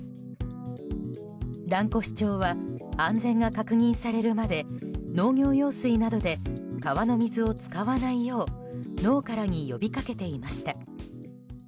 蘭越町は、安全が確認されるまで農業用水などで川の水を使わないよう農家らに呼びかけていました。